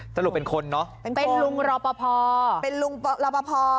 สรุปเป็นคนเนอะเป็นคนเป็นลุงรปพอร์เป็นลุงรปพอร์